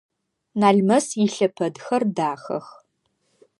Налмэс илъэпэдхэр дахэх.